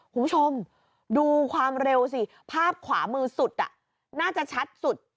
คุณผู้ชมดูความเร็วสิภาพขวามือสุดน่าจะชัดสุด